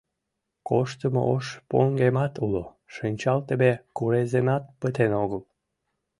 — Коштымо ош поҥгемат уло, шинчалтыме куреземат пытен огыл.